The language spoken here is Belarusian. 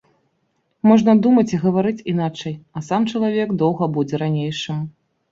Можна думаць і гаварыць іначай, а сам чалавек доўга будзе ранейшым.